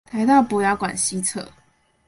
臺大博雅館西側